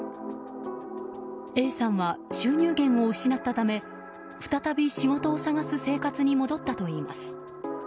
Ａさんは収入源を失ったため再び、仕事を探す生活に戻ったといいます。